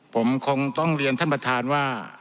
ผมคงต้องเรียนท่านประธานว่า